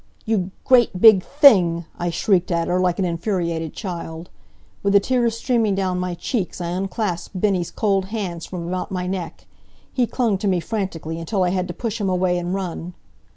"You great big thing!" I shrieked at her, like an infuriated child. With the tears streaming down my cheeks I unclasped Bennie's cold hands from about my neck. He clung to me, frantically, until I had to push him away and run.